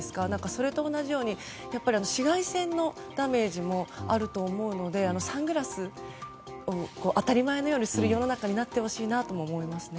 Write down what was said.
それと同じように紫外線のダメージもあると思うので、サングラスを当たり前のようにする世の中になってほしいなと思いますね。